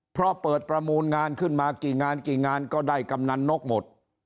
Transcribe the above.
เพราะเปิดประมูลงานขึ้นมากี่งานกี่งานก็ได้กำนันนกหมด